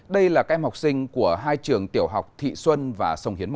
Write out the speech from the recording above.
đây là các em học sinh của hai trường tiểu học thị xuân và sông hiến một